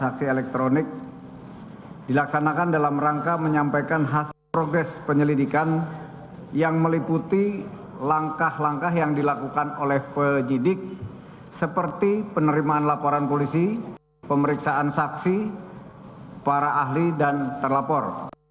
kita akan ikuti langkah langkah yang dilakukan oleh pejidik seperti penerimaan laporan polisi pemeriksaan saksi para ahli dan terlapor